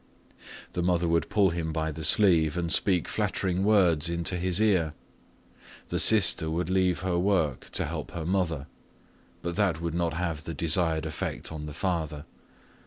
The mother would pull him by the sleeve and speak flattering words into his ear; the sister would leave her work to help her mother, but that would not have the desired effect on the father.